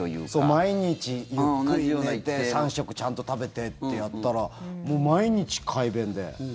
毎日ゆっくり寝て３食ちゃんと食べてってやったらもう毎日、快便で。